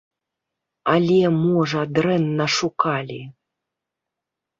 Але, можа, дрэнна шукалі.